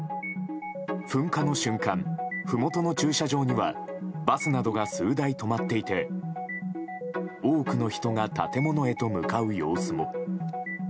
噴火の瞬間、ふもとの駐車場にはバスなどが数台止まっていて多くの人が建物へと向かう様子も。